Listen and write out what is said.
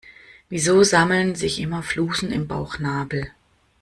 Wieso sammeln sich immer Flusen im Bauchnabel?